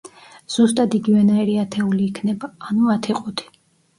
ზუსტად იგივენაირი ათეული იქნება, ანუ ათი ყუთი.